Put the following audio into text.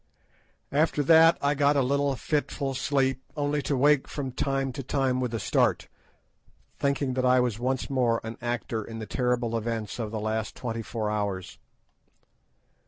After that I got a little fitful sleep, only to wake from time to time with a start, thinking that I was once more an actor in the terrible events of the last twenty four hours.